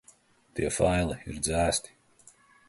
Tie faili ir dzēsti.